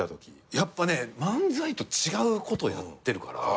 やっぱ漫才と違うことやってるから。